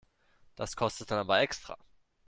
Das kostet dann aber extra.